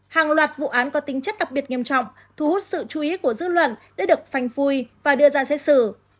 hàng loạt vụ án có tính chất đặc biệt nghiêm trọng thu hút sự chú ý của dư luận đã được phanh phui và đưa ra xét xử